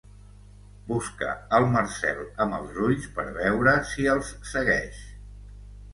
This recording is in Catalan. Busca el Marcel amb els ulls per veure si els segueix.